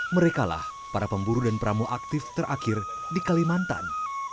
merekalah para pemburu dan pramu aktif terakhir di kalimantan